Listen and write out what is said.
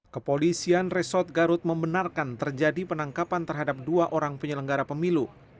kepolisian resort garut membenarkan terjadi penangkapan terhadap dua orang penyelenggara pemilu